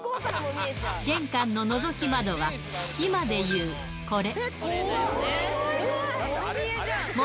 玄関ののぞき窓は、今でいうこれ。